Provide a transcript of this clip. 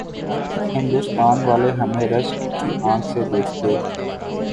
ہندوستان والے ہمیں رشک کی آنکھ سے دیکھتے۔